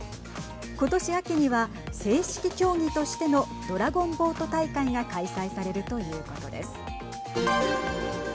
ことし秋には、正式競技としてのドラゴンボート大会が開催されるということです。